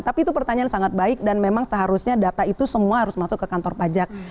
tapi itu pertanyaan sangat baik dan memang seharusnya data itu semua harus masuk ke kantor pajak